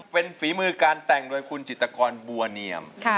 เป็นฝีมือการแต่งโดยคุณจิตกรบัวเนียม